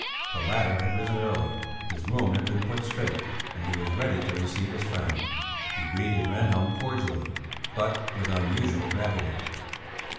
The latter had risen early; his room had been put straight and he was ready to receive his friend. He greeted Rehnhjelm cordially, but with unusual gravity.